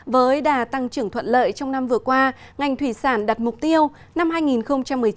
với đà tăng trưởng thuận lợi trong năm vừa qua ngành thủy sản đặt mục tiêu năm hai nghìn một mươi chín